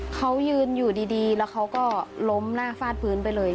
เขายืนอยู่ดีแล้วเขาก็ล้มหน้าฟาดพื้นไปเลย